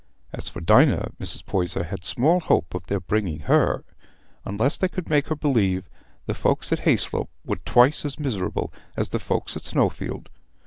As for Dinah, Mrs. Poyser had small hope of their bringing her, unless they could make her believe the folks at Hayslope were twice as miserable as the folks at Snowfield.